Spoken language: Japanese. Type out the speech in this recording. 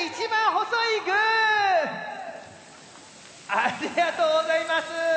ありがとうございます。